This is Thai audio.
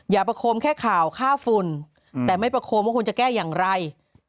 ประโคมแค่ข่าวค่าฝุ่นแต่ไม่ประโคมว่าควรจะแก้อย่างไร